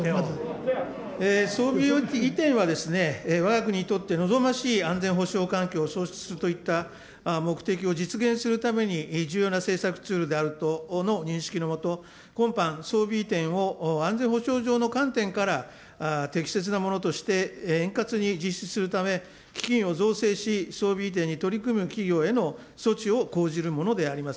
装備移転はですね、わが国にとって望ましい安全保障環境を創出するといった、目的を実現するために重要な政策ツールであるとの認識のもと、今般、装備移転を安全保障上の観点から適切なものとして円滑に実施するため、基金を造成し、装備移転に取り組む企業への措置を講じるものであります。